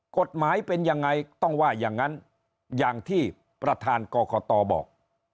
กฎหมายเป็นยังไงต้องว่าอย่างนั้นอย่างที่ประธานกรกตบอก